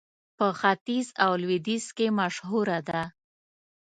په ختيځ او لوېديځ کې مشهوره ده.